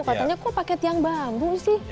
katanya kok paket tiang bambu sih